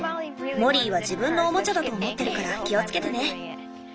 モリーは自分のおもちゃだと思ってるから気をつけてね。